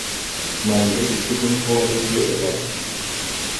Man ɓɛ de tugun hɔɔlɛ yɛʼ lay.